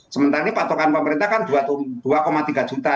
sementara ini patokan pemerintah kan dua tiga juta